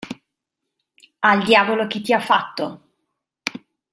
Al diavolo chi ti ha fatto!